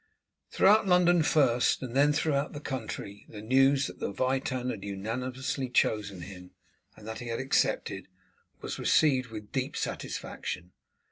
Throughout London first, and then throughout the country, the news that the Witan had unanimously chosen him, and that he had accepted, was received with deep satisfaction.